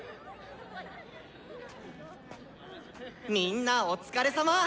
「みんなお疲れさま！